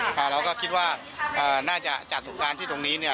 เราก็คิดว่าน่าจะจัดสงการที่ตรงนี้เนี่ย